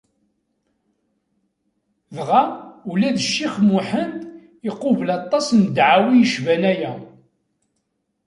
Dɣa ula d Ccix Muḥend iqubel aṭas n ddεawi yecban aya.